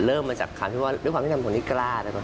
เริ่มมาจากคำที่ว่าด้วยความที่ทำคนที่กล้านะครับ